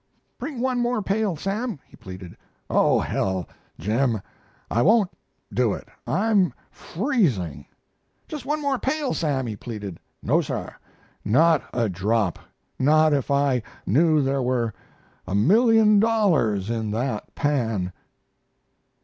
"Bring one more pail, Sam," he pleaded. "Oh, hell, Jim, I won't do it; I'm freezing!" "Just one more pail, Sam," he pleaded. "No, sir, not a drop, not if I knew there were a million dollars in that pan."